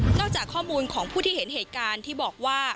จากข้อมูลของผู้ที่เห็นเหตุการณ์ที่บอกว่า